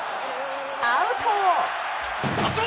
アウト！